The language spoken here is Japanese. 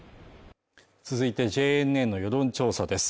続いてＪＮＮの世論調査です。